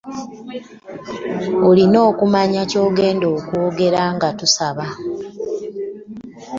Olina okumanya kyogenda okwogera nga tusaba.